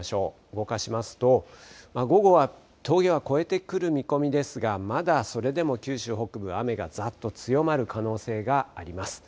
動かしますと、午後は峠は越えてくる見込みですが、まだそれでも九州北部、雨がざっと強まる可能性があります。